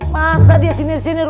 masa dia sini sini lupa